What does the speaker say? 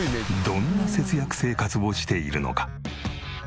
どんな節約生活をしているのか？